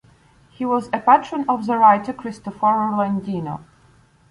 He was a patron of the writer Cristoforo Landino.